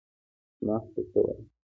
اجماع څه ته وایي؟